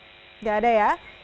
enggak ada ya